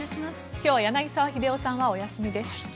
今日は柳澤秀夫さんはお休みです。